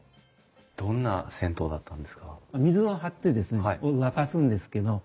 どんな銭湯だったんですか？